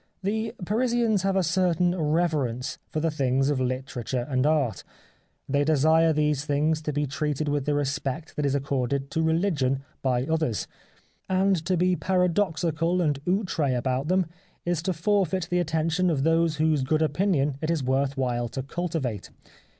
The Parisians have a certain reverence for the things of literature and art ; they desire these things to be treated with the respect that is accorded to religion by others ; and to be paradoxical and outre about them is to forfeit the attention of those whose good opinion it is worth while to cultivate.